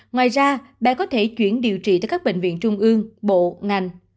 ngoài ra bé có thể chuyển điều trị tại các bệnh viện trung ương bộ ngành